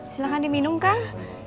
silahkan diminum kang